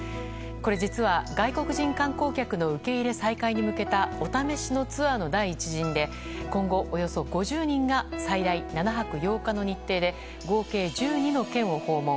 これ実は、外国人観光客の受け入れ再開に向けたお試しのツアーの第１陣で今後およそ５０人が最大７泊８日の日程で合計１２の県を訪問。